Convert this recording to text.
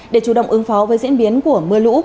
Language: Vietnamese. để chủ động ứng phó với diễn biến của mưa lũ